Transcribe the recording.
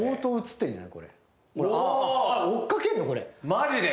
マジで？